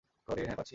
হ্যাঁ পাচ্ছি তো।